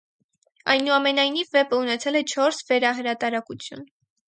Այնուամենայնիվ, վեպը ունեցել է չորս վերահրատարակություն։